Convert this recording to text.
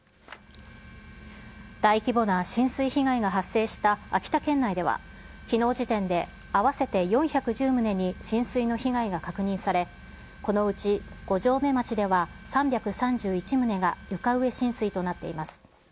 大規模な浸水被害が発生した秋田県内では、きのう時点で合わせて４１０棟に浸水の被害が確認され、このうち五城目町では、３３１棟が床上浸水となっています。